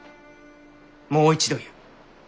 もう一度言う。